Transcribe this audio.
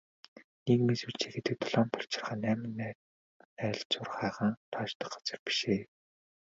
Нийгмийн сүлжээ гэдэг долоон булчирхай, найман найлзуурхайгаа тоочдог газар биш ээ.